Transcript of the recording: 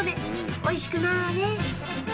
おいしくなれ